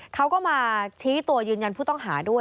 เขาก็มาชี้ตัวยืนยันผู้ต้องหาด้วย